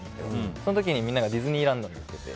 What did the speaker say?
その時にみんながディズニーランドに行ってて。